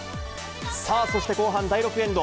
さあ、そして後半第６エンド。